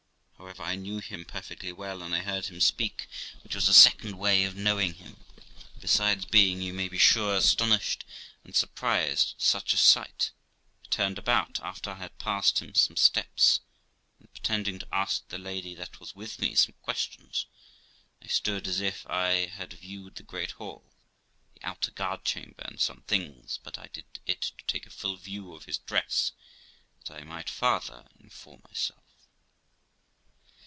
However, I knew him perfectly well, and I heard him speak, which was a second way of knowing him. Besides being, you may be sure, astonished and surprised at such a sight, I turned about after I had passed him some steps, and pretending to ask the lady that was with me some questions, I stood as if I had viewed the great hall, the outer guard chamber, and some things; but I did it to take a full view of his dress, that I might farther inform myself.